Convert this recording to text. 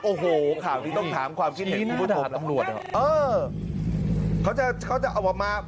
โอ้โหข่าวที่ต้องถามความคิดเห็นชี้หน้าทางตำรวจเขาจะเอาออกมา